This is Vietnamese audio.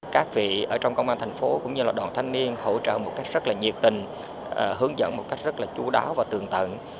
các vị ở trong công an thành phố cũng như là đoàn thanh niên hỗ trợ một cách rất là nhiệt tình hướng dẫn một cách rất là chú đáo và tường tận